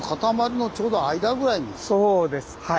そうですはい。